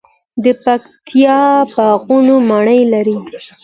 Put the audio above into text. د پکتیا باغونه مڼې لري.